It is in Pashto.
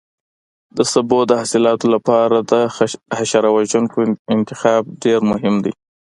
د سبو د حاصلاتو لپاره د حشره وژونکو انتخاب ډېر مهم دی.